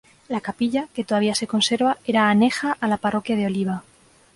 La capilla, que todavía se conserva, era aneja a la parroquia de Oliva.